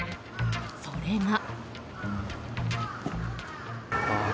それが。